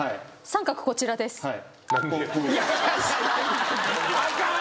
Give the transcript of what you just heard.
はい。